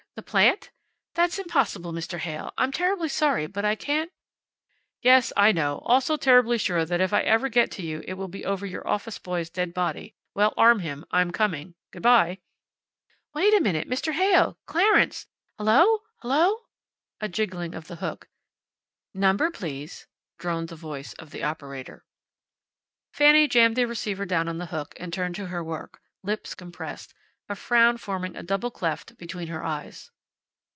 The plant! That's impossible, Mr. Heyl. I'm terribly sorry, but I can't " "Yes, I know. Also terribly sure that if I ever get to you it will be over your office boy's dead body. Well, arm him. I'm coming. Good by." "Wait a minute! Mr. Heyl! Clarence! Hello! Hello!" A jiggling of the hook. "Number, please?" droned the voice of the operator. Fanny jammed the receiver down on the hook and turned to her work, lips compressed, a frown forming a double cleft between her eyes.